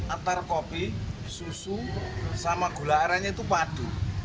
antara kopi susu sama gula arennya itu padu